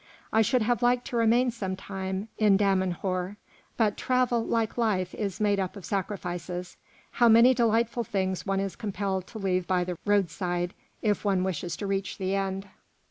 I should have liked to remain some time in Damanhûr, but travel, like life, is made up of sacrifices. How many delightful things one is compelled to leave by the roadside, if one wishes to reach the end.